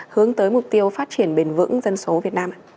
hướng tới mục tiêu phát triển bền vững dân số việt nam